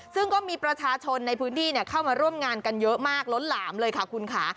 ซึ่งก็มีประชาชนในพื้นที่เข้ามาร่วมงานกันเยอะมากล้นหลามเลยค่ะคุณค่ะ